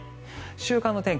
週間の天気